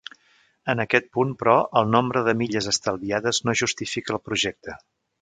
En aquest punt, però, el nombre de milles estalviades no justifica el projecte.